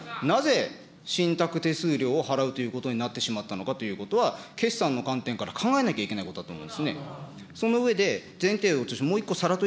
だけれども、なぜ、信託手数料を払うということになってしまったのかということは、決算の観点から考えなきゃいけないことだと思いますね。